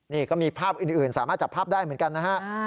นี่ก็มีภาพอื่นสามารถจับภาพได้เหมือนกันนะฮะ